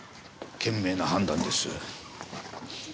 賢明な判断です。